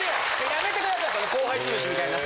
やめてくださいその後輩潰しみたいな。